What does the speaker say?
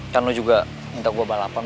kan lo juga minta gue balapan